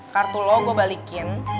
kartu lo gue balikin